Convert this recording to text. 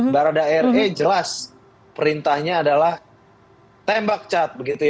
barada re jelas perintahnya adalah tembak cat